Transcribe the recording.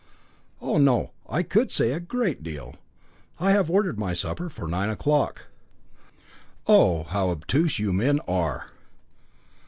oh, no. I could say a great deal I have ordered my supper for nine o'clock." "Oh, how obtuse you men are!